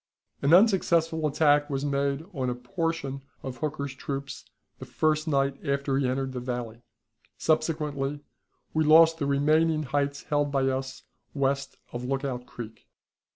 An unsuccessful attack was made on a portion of Hooker's troops the first night after he entered the valley. Subsequently, we lost the remaining heights held by us west of Lookout Creek.